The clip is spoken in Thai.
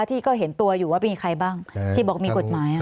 ที่ก็เห็นตัวอยู่ว่ามีใครบ้างที่บอกมีกฎหมาย